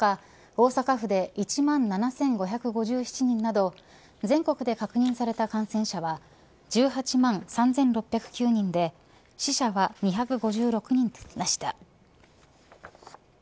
大阪府で１万７５５７人など全国で確認された感染者は１８万３６０９人で死者は２５６人いました。